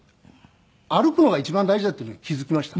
歩くのが一番大事だっていうのに気付きました。